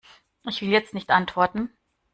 Ich will jetzt nicht antworten.